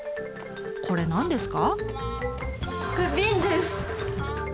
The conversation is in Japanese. これ何ですか？